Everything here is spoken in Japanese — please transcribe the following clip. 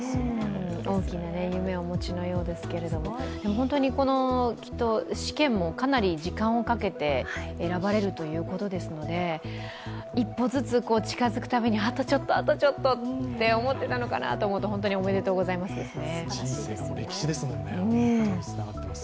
大きな夢をお持ちのようですけれども、きっと試験もかなり時間をかけて選ばれるということですので一歩ずつ近づくためにあとちょっと、あとちょっとって思っていらっしゃったのかなと思うと本当におめでとうございますですね。